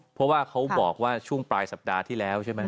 เพราะว่าเขาบอกว่าช่วงปลายสัปดาห์ที่แล้วใช่ไหม